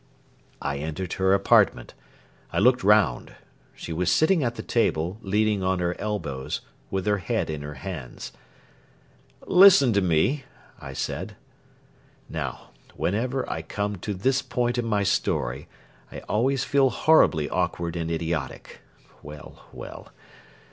I entered her apartment. I looked round. She was sitting at the table, leaning on her elbows, with her head in her hands. "Listen to me," I said. Now, whenever I come to this point in my story, I always feel horribly awkward and idiotic. Well, well!